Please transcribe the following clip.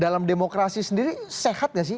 dalam demokrasi sendiri sehat gak sih